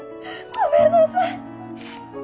ごめんなさいッ！